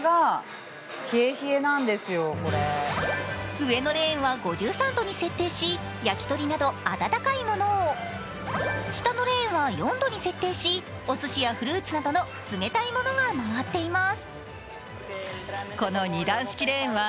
上のレーンは５３度に設定し焼き鳥など温かいものを下のレーンは４度に設定しおすしやフルーツなどの冷たいものが回っています。